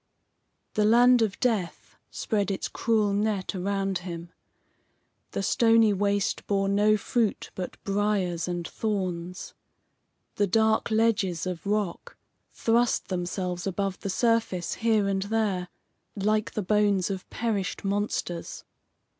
The land of death spread its cruel net around him. The stony waste bore no fruit but briers and thorns. The dark ledges of rock thrust themselves above the surface here and there, like the bones of perished monsters.